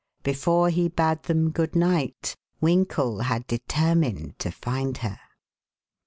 Before he bade them good night, Winkle had determined to find her.